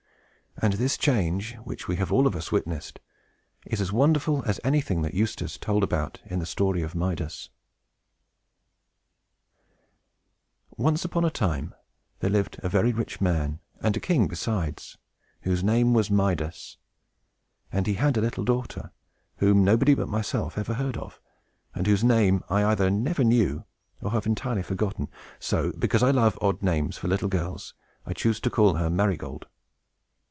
And this change, which we have all of us witnessed, is as wonderful as anything that Eustace told about in the story of Midas. THE GOLDEN TOUCH Once upon a time, there lived a very rich man, and a king besides, whose name was Midas; and he had a little daughter, whom nobody but myself ever heard of, and whose name I either never knew, or have entirely forgotten. So, because I love odd names for little girls, I choose to call her Marygold.